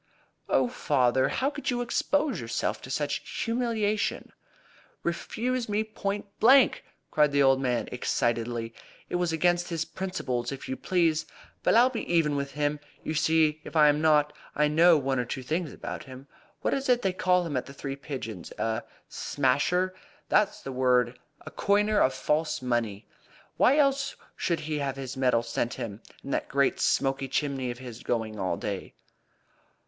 "Oh, father! How could you expose yourself to such humiliation?" "Refused me point blank!" cried the old man excitedly. "It was against his principles, if you please. But I'll be even with him you see if I am not. I know one or two things about him. What is it they call him at the Three Pigeons? A 'smasher' that's the word a coiner of false money. Why else should he have this metal sent him, and that great smoky chimney of his going all day?"